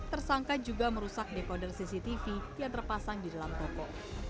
tersangka juga merusak dekoder cctv yang terpasang di dalam toko